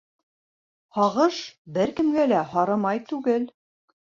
Һағыш бер кемгә лә һары май түгел.